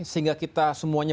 sehingga kita semuanya